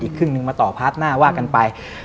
ครึ่งนึงมาต่อพาร์ทหน้าว่ากันไป